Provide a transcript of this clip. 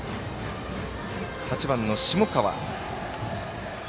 ８番の下川。